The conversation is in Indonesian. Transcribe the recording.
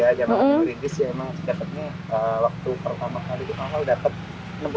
jangan lupa ngerintis ya emang sepertinya waktu pertama kali kita hafal